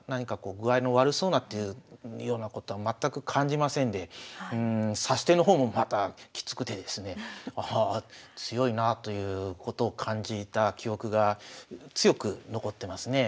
具合の悪そうなというようなことは全く感じませんで指し手の方もまたきつくてですねああ強いなということを感じた記憶が強く残ってますね。